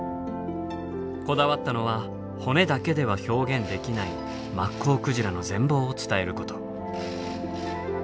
こだわったのは骨だけでは表現できないマッコウクジラの全貌を伝えること。